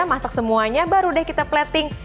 masak semuanya baru deh kita plating